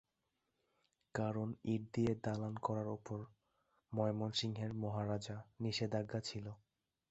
কারণ ইট দিয়ে দালান করার উপর ময়মনসিংহের মহারাজা নিষেধাজ্ঞা ছিল।